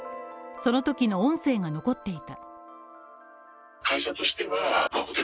そのときの音声が残っていた。